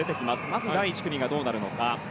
まず第１組がどうなるのか。